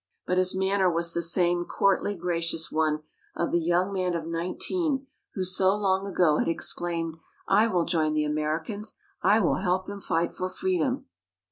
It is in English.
But his manner was the same courtly, gracious one of the young man of nineteen who so long ago had exclaimed, "I will join the Americans I will help them fight for Freedom!"